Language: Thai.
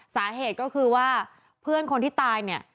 สาเหตุก็คือว่าเพื่อนคนที่ตายเนี่ย